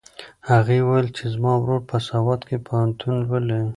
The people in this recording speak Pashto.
هغې وویل چې زما ورور په سوات کې پوهنتون لولي.